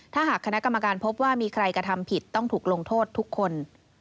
ถ้าหากคณะกรรมการพบว่ามีใครกระทำผิดต้องถูกลงโทษทุกคน